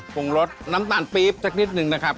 งรสน้ำตาลปี๊บสักนิดนึงนะครับ